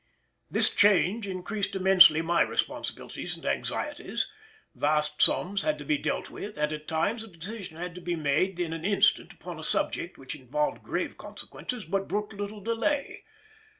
This change increased immensely my responsibilities and anxieties; vast sums had to be dealt with, and at times a decision had to be made in an instant upon a subject which involved grave consequences but brooked little delay.